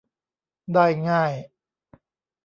ได้ง่าย